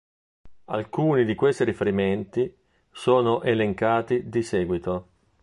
Alcuni di questi riferimenti sono elencati di seguito.